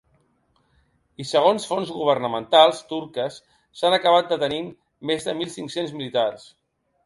I segons fonts governamentals turques s’han acabat detenint més de mil cinc-cents militars.